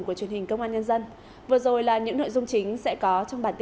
cảm ơn các bạn đã theo dõi